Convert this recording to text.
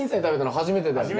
初めてだね。